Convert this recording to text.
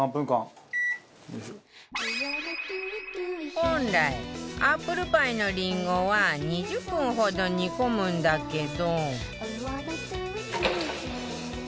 本来アップルパイのリンゴは２０分ほど煮込むんだけど